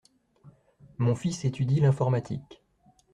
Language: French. Mon fils étudie l’informatique.